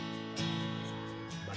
dan juga untuk membuatnya lebih berharga